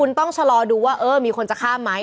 คุณต้องชะลอดูว่าเออมีคนจะข้ามไหม